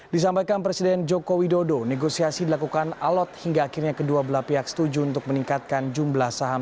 disampaikan presiden joko widodo negosiasi dilakukan alot hingga akhirnya kedua belah pihak setuju untuk meningkatkan jumlah saham